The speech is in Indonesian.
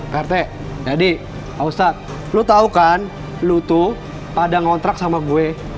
pak rt jadi ustadz lo tau kan lo tuh pada ngontrak sama gue